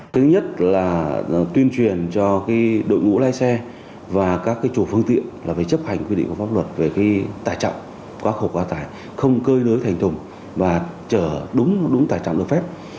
thứ nhất là tuyên truyền cho đội ngũ lái xe và các chủ phương tiện là phải chấp hành quy định của pháp luật về tải trọng quá khổ quá tải không cơi nới thành thùng và chở đúng tải trọng được phép